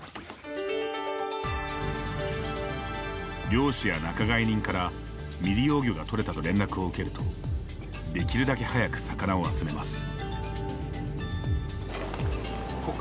漁師や仲買人から未利用魚が捕れたと連絡を受けるとできるだけ早く魚を集めます。